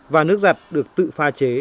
và nước giặt được tự pha chế